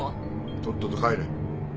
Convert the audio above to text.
とっとと帰れ。